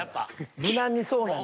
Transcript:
無難にそうなんや。